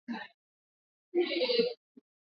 wana maisha yao tofauti kabisa na sisi